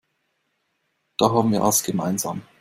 Da haben wir was gemeinsam.